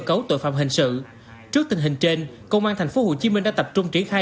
cấu tội phạm hình sự trước tình hình trên công an thành phố hồ chí minh đã tập trung triển khai